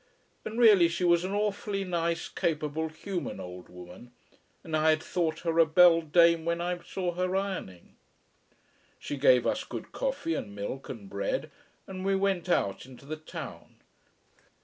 And really she was an awfully nice, capable, human old woman: and I had thought her a beldame when I saw her ironing. She gave us good coffee and milk and bread, and we went out into the town.